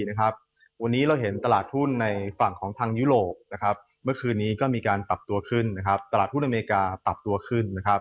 วันนี้เราเห็นตลาดหุ้นในฝั่งของทางยุโรปเมื่อคืนนี้ก็มีการปรับตัวขึ้นตลาดหุ้นอเมริกาปรับตัวขึ้น